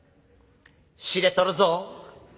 知れとるぞ。